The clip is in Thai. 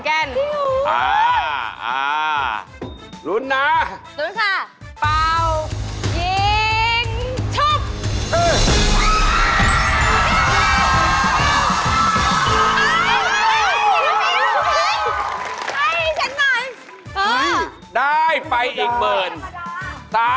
สามหนึ่นห้าพันบาทสามหนึ่นห้า